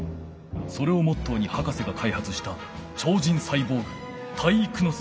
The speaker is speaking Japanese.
それをモットーに博士がかいはつしたちょう人サイボーグ体育ノ介。